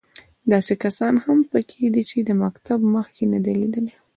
داسې کسان هم په کې دي چې د مکتب مخ یې نه دی لیدلی.